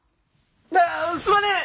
あすまねえ！